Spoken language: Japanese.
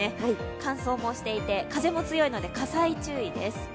乾燥もしていて風も強いので、火災注意です。